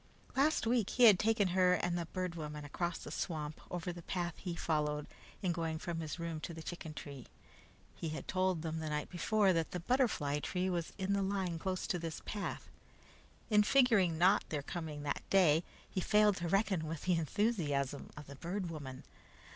Last week he had taken her and the Bird Woman across the swamp over the path he followed in going from his room to the chicken tree. He had told them the night before, that the butterfly tree was on the line close to this path. In figuring on their not coming that day, he failed to reckon with the enthusiasm of the Bird Woman.